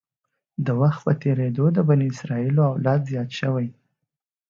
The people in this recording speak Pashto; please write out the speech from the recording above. د وخت په تېرېدو د بني اسرایلو اولاد زیات شو.